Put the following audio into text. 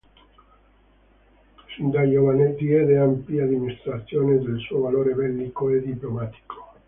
Sin da giovane diede ampia dimostrazione del suo valore bellico e diplomatico.